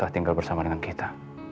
untuk keberadaan kita